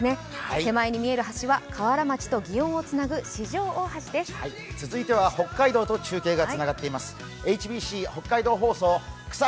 手前に見える橋は続いては北海道と中継がつながっています。